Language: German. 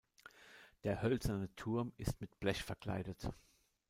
Der hölzerne Turm ist mit Blech verkleidet.